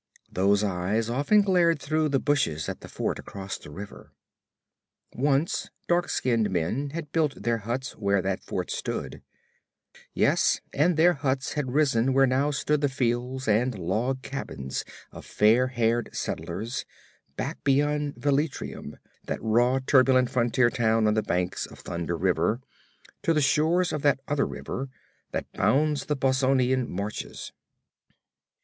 Those eyes often glared through the bushes at the fort across the river. Once dark skinned men had built their huts where that fort stood; yes, and their huts had risen where now stood the fields and log cabins of fair haired settlers, back beyond Velitrium, that raw, turbulent frontier town on the banks of Thunder River, to the shores of that other river that bounds the Bossonian marches.